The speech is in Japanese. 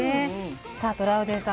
さあトラウデンさん